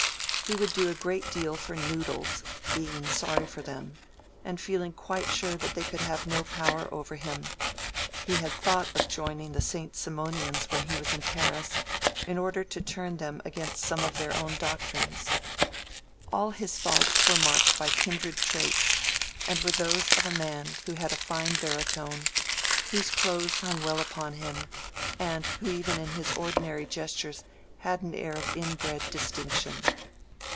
He would do a great deal for noodles, being sorry for them, and feeling quite sure that they could have no power over him: he had thought of joining the Saint Simonians when he was in Paris, in order to turn them against some of their own doctrines. All his faults were marked by kindred traits, and were those of a man who had a fine baritone, whose clothes hung well upon him, and who even in his ordinary gestures had an air of inbred distinction.